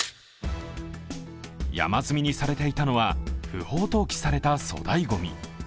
山積みにされたのは不法投棄された粗大ごみ。